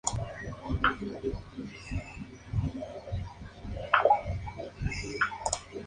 Los ojos almendrados son bien fijos y se inclinan suavemente.